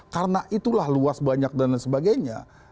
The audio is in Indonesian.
karena itulah luas banyak dan sebagainya